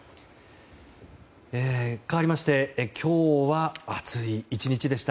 かわりまして今日は暑い１日でした。